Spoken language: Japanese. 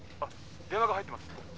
「電話が入ってます」